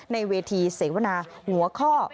ในเวทีเสวนาหัวข้อ